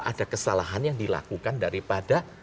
ada kesalahan yang dilakukan daripada